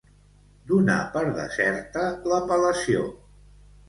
Donar per deserta l'apel·lació.